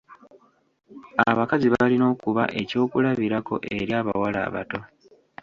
Abakazi balina okuba ekyokulabirako eri abawala abato.